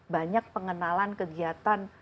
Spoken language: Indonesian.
banyak pengenalan kegiatan